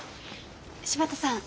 柴田さん